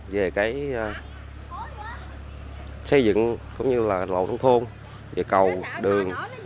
về xây dựng lộ nông thôn về cầu đường